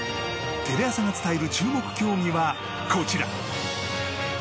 テレ朝が伝える注目競技はこちら。